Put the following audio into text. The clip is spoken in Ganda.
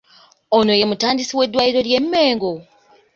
Ono ye mutandisi w’eddwaliro ly’e Mengo?